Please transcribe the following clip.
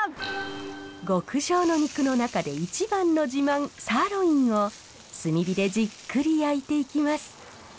極上の肉の中で一番の自慢サーロインを炭火でじっくり焼いていきます。